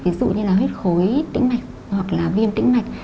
ví dụ như là huyết khối tĩnh mạch hoặc là viêm tĩnh mạch